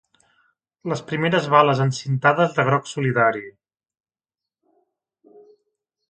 Les primeres bales encintades de groc solidari!